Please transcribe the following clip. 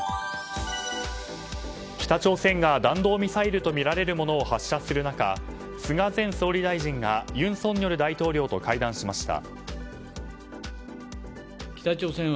北朝鮮が弾道ミサイルとみられるものを発射する中菅前総理大臣が尹錫悦大統領と会談しました。